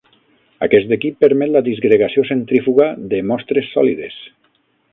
Aquest equip permet la disgregació centrífuga de mostres sòlides.